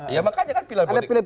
ya makanya kan pilihan